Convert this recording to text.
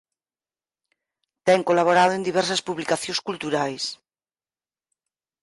Ten colaborado en diversas publicacións culturais.